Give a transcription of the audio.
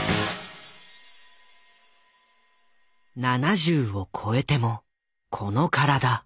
７０を超えてもこの体。